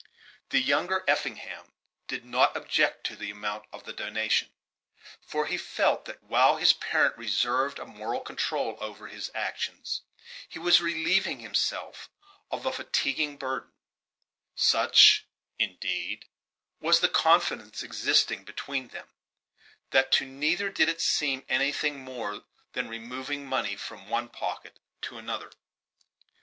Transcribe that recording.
The younger Effingham did not object to the amount of the donation; for he felt that while his parent reserved a moral control over his actions, he was relieving himself of a fatiguing burden: such, indeed, was the confidence existing between them, that to neither did it seem anything more than removing money from one pocket to another.